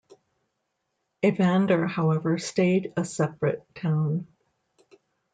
Evander however stayed a separate town.